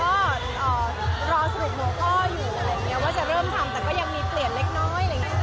ว่าจะเริ่มทำแต่ก็ยังมีเปลี่ยนเล็กอะไรอย่างนี้